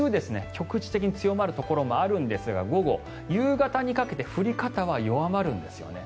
局地的に強まるところがあるんですが午後、夕方にかけて降り方は弱まるんですよね。